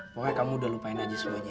pokoknya kamu udah lupain aja semuanya